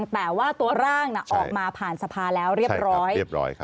แต่ว่าตัวร่างออกมาผ่านสภาแล้วเรียบร้อย